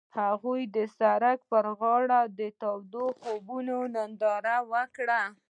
هغوی د سړک پر غاړه د تاوده خوب ننداره وکړه.